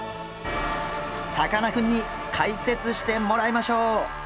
さかなクンに解説してもらいましょう！